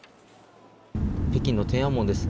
北京の天安門です。